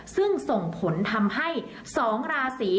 ซึ่งส่งผลทำให้๒ราศี